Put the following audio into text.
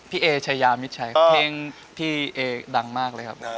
พี่เอ๋ชายามิดชัยครับเพลงที่เอ๋ดังมากเลยครับ